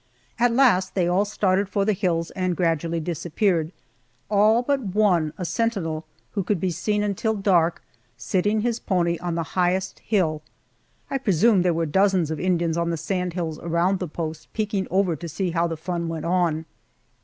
At last they all started for the hills and gradually disappeared all but one, a sentinel, who could be seen until dark sitting his pony on the highest hill. I presume there were dozens of Indians on the sand hills around the post peeking over to see how the fun went on.